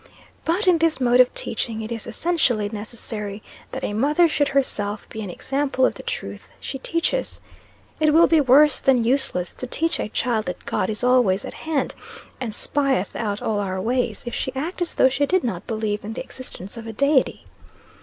But in this mode of teaching, it is essentially necessary that a mother should herself be an example of the truth she teaches. It will be worse than useless to teach a child that God is always at hand, 'and spieth out all our ways,' if she act as though she did not believe in the existence of a Deity.